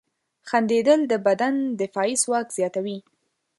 • خندېدل د بدن دفاعي ځواک زیاتوي.